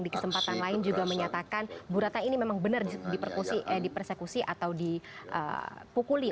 di kesempatan lain juga menyatakan bu ratna ini memang benar dipersekusi atau dipukuli